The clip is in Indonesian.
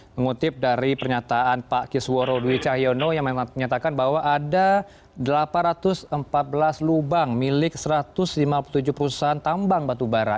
mengutip dari pernyataan pak kisworo dwi cahyono yang menyatakan bahwa ada delapan ratus empat belas lubang milik satu ratus lima puluh tujuh perusahaan tambang batubara